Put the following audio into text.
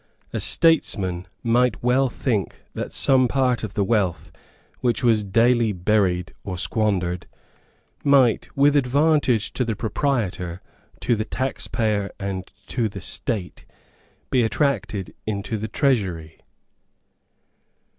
A statesman might well think that some part of the wealth which was daily buried or squandered might, with advantage to the proprietor, to the taxpayer and to the State, be attracted into the Treasury.